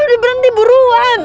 ah udah berhenti buruan